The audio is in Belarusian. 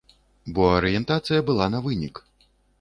Бо арыентацыя была на вынік.